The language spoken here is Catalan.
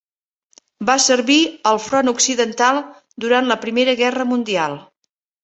Va servir al front occidental durant la primera guerra mundial.